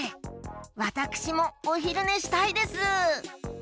わたくしもおひるねしたいです。